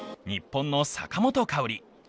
日本の坂本花織。